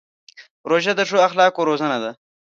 روژه د ښو اخلاقو روزنه ده.